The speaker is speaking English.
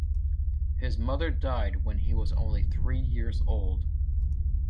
His mother died when he was only three years old.